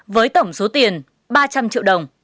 với tổng số tiền ba trăm linh triệu đồng